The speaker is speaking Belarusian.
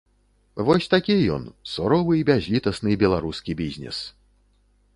Вось такі ён, суровы і бязлітасны беларускі бізнес!